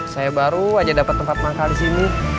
saya baru aja dapat tempat makan di sini